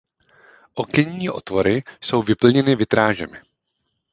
Okenní otvory jsou vyplněny vitrážemi.